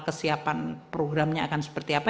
kesiapan programnya akan seperti apa